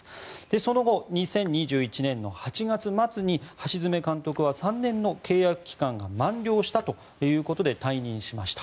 その後、２０２１年の８月末に橋詰監督は３年の契約期間が満了したということで退任しました。